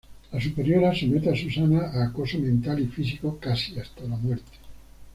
La superiora somete a Susana a acoso mental y físico casi hasta la muerte.